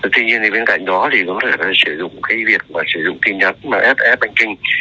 tuy nhiên bên cạnh đó thì có thể sử dụng cái việc sử dụng tin nhắn